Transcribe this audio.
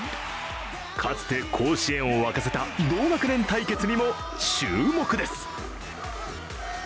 かつて甲子園を沸かせた同学年対決にも注目です。